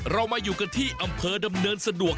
เรามาอยู่กันที่อำเภอดำเนินสะดวก